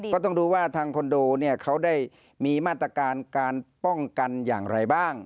ก็ต้องดูว่าทางคอนโดเนี่ยเขาได้มีมาตรการการป้องกันอย่างไรบ้าง